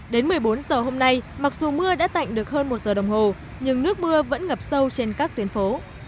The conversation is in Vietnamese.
đến một mươi bốn giờ hôm nay mặc dù mưa đã tạnh được hơn một giờ đồng hồ nhưng nước mưa vẫn ngập sâu trên các tuyến phố